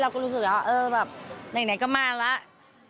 รู้สึกว่าเออแบบไหนก็มาแล้ว